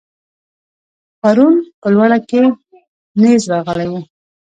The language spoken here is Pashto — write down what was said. پرون په لوړه کې نېز راغلی و.